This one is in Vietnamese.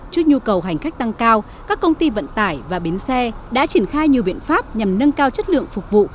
trước nhu cầu hành khách tăng cao các công ty vận tải và bến xe đã triển khai nhiều biện pháp nhằm nâng cao chất lượng phục vụ